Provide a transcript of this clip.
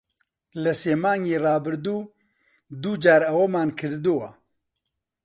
لە سێ مانگی ڕابردوو، دوو جار ئەوەمان کردووە.